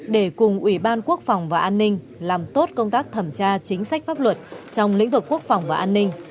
để cùng ubnd làm tốt công tác thẩm tra chính sách pháp luật trong lĩnh vực quốc phòng và an ninh